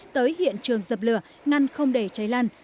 tới hiện trường dập lửa ngăn không để cháy lan